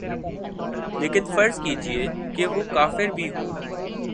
لیکن فرض کیجیے کہ وہ کافر بھی ہوں۔